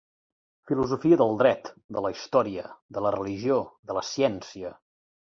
Filosofia del dret, de la història, de la religió, de la ciència.